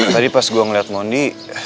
tadi pas gue ngeliat mondi